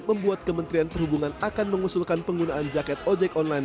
membuat kementerian perhubungan akan mengusulkan penggunaan jaket ojek online